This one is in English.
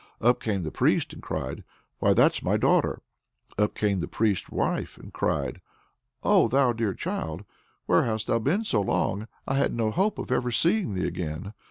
Up came the priest, and cried, "Why, that's my daughter." Up came running the priest's wife, and cried: "O thou dear child! where hast thou been so long? I had no hope of ever seeing thee again."